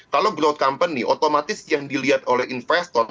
kalau glow company otomatis yang dilihat oleh investor